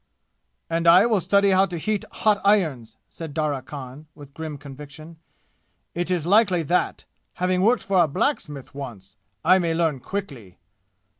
"And I will study how to heat hot irons!" said Darya Khan, with grim conviction. "It is likely that, having worked for a blacksmith once, I may learn quickly!